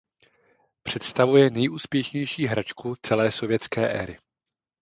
Představuje nejúspěšnější hráčku celé sovětské éry.